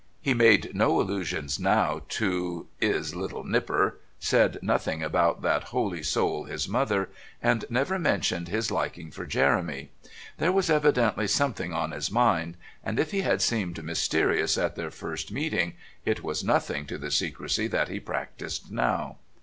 He made no allusions now to "'is little nipper," said nothing about that holy soul his mother, and never mentioned his liking for Jeremy. There was evidently something on his mind, and if he had seemed mysterious at their first meeting it was nothing to the secrecy that he practised now.